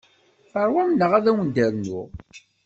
Teṛwam neɣ ad wen-d-rnuɣ?